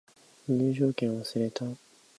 入場券忘れた